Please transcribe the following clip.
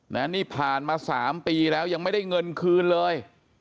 นี่ผ่านมา๓ปีแล้วยังไม่ได้เงินคืนเลย